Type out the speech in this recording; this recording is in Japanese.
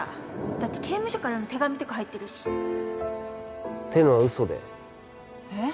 だって刑務所からの手紙とか入ってるしってのは嘘でえっ？